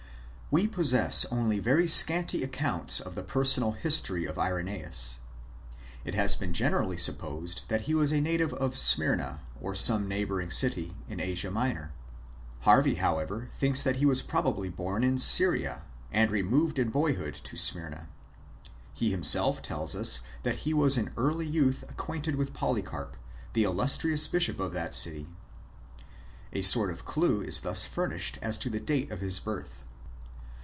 We possess only very scanty accounts of the personal his tory of Irenseus. It has been generally supposed that he was a native of Smyrna, or some neighbouring city, in Asia Minor. Harvey, however, thinks that he was probably born in Syria, and removed in boyhood to Smyrna. He himself tells us (iii. 3, 4) that he was in early youth acquainted with Polycarp, the illustrious bishop of that city. A sort of clue is thus furnished as to the date of his birth.